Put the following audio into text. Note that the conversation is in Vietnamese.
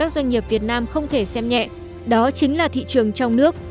các doanh nghiệp việt nam không thể xem nhẹ đó chính là thị trường trong nước